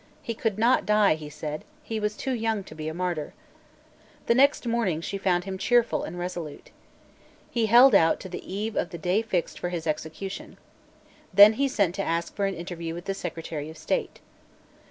He could not die, he said; he was too young to be a martyr, The next morning she found him cheerful and resolute, He held out till the eve of the day fixed for his execution. Then he sent to ask for an interview with the Secretary of State.